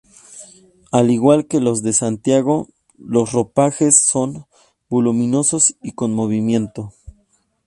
Al igual que los de Santiago, los ropajes son voluminosos y con movimiento.